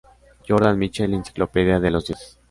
Jordan, Michael, "Enciclopedia de los dioses".